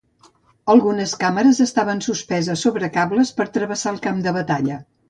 Algunes càmeres estaven suspeses sobre cables per travessar el camp de batalla.